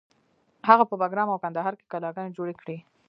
هغه په بګرام او کندهار کې کلاګانې جوړې کړې